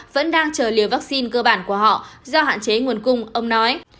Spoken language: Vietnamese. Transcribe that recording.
vẫn đang chờ liều vaccine cơ bản của họ do hạn chế nguồn cung ông nói